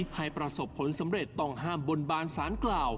ให้ประสบผลสำเร็จต้องห้ามบนบานสารกล่าว